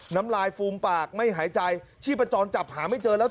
น้ำลายฟูมปากไม่หายใจชีพจรจับหาไม่เจอแล้ว